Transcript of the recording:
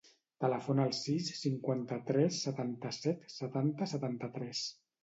Telefona al sis, cinquanta-tres, trenta-set, setanta, setanta-tres.